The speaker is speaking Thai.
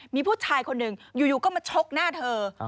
มีผู้ชายคนหนึ่งอยู่ก็มาชกหน้าเธอ